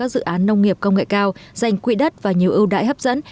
dự án nông nghiệp công nghệ cao dành quỹ đất và nhiều ưu đại hấp dẫn